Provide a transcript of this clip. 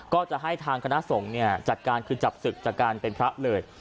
ก็จะให้ทางคณะสงฆ์เนี่ยจัดการคือจับศึกจากการเป็นพระเลย